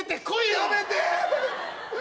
やめてえ！